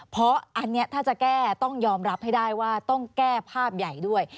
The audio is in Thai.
เพราะอันนี้ถ้าจะแก้ต้องยอมรับให้ได้ว่าต้องแก้ภาพใหญ่ด้วย